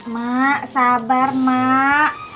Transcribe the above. mak sabar mak